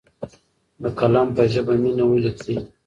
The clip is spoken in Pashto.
د قلم په ژبه مینه ولیکئ.